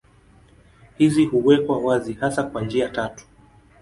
Hizi huwekwa wazi hasa kwa njia tatu.